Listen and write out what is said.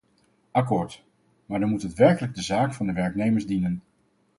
Akkoord, maar dan moet het werkelijk de zaak van de werknemers dienen.